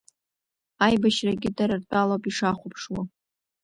Аибашьрагьы дара ртәалоуп ишахәаԥшуа…